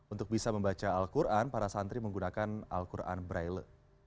untuk bisa membaca al quran para santri menggunakan al quran braille